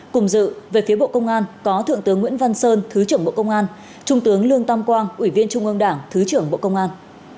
cùng dự về phía bộ công an có thượng tướng nguyễn văn sơn thứ trưởng bộ công an trung tướng lương tam quang ủy viên trung ương đảng thứ trưởng bộ công an